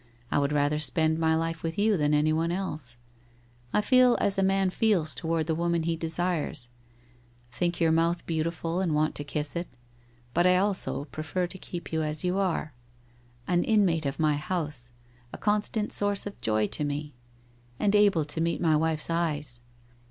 I would rather spend my life with you than anyone else. I feel as a man feels towards the woman he desires — think your mouth beautiful and want to kiss it — but I also prefer to keep you as you are — an inmate of my house, a con stant source of joy to me, and able to meet my wife's eyes.